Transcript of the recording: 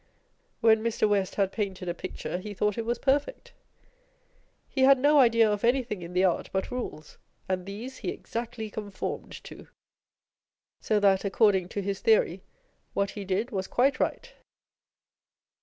When Mr. West had painted a picture, he thought it was perfect. He had no idea of anything in the art but rules, and these he exactly conformed to ; so that, according to his theory, what he did was quite right.